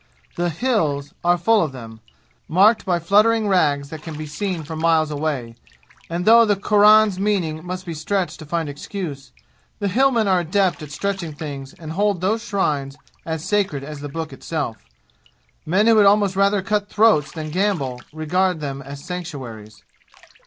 The "Hills" are full of them, marked by fluttering rags that can be seen for miles away; and though the Quran's meaning must be stretched to find excuse, the Hillmen are adept at stretching things and hold those shrines as sacred as the Book itself. Men who would almost rather cut throats than gamble regard them as sanctuaries.